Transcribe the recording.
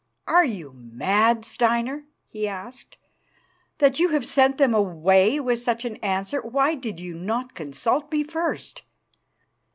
"Are you mad, Steinar?" he asked, "that you have sent them away with such an answer? Why did you not consult me first?"